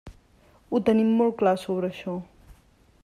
Ho tenim molt clar sobre això.